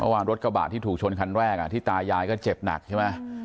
ว่ารถกระบะที่ถูกชนคันแรกที่ตายายก็เจ็บหนักใช่ไหม